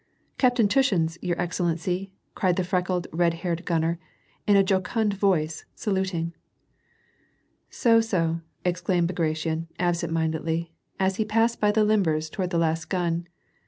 "Captain Tushin's, your excellency," cried the freckled, red headed gunner, in a jocund voice and saluting. "So, so," exclaimed Bagration absent mindedly, and he passed by the limbers toward the last gun.